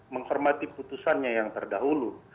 menghormati putusannya yang terdahulu